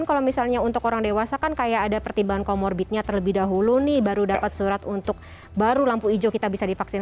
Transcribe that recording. kalau misalnya untuk orang dewasa kan kayak ada pertimbangan komorbidnya terlebih dahulu nih baru dapat surat untuk baru lampu hijau kita bisa divaksin